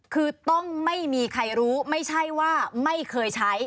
คือต้องไม่มีใครรู้ไม่ใช่ว่าไม่เคยใช้